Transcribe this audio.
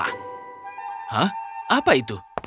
hah apa itu